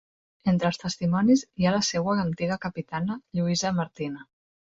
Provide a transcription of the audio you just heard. Entre els testimonis hi ha la seua antiga capitana Lluïsa Martina.